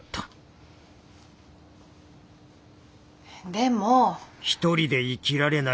でも。